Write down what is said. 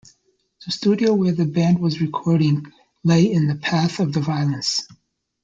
The studio where the band was recording lay in the path of the violence.